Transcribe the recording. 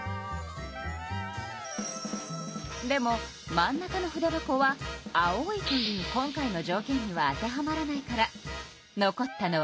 でも真ん中の筆箱は「青い」という今回のじょうけんには当てはまらないから残ったのは２つ。